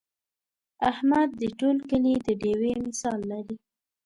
احمد د ټول کلي د ډېوې مثال لري.